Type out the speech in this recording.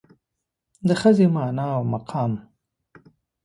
د ښځې مانا او مقام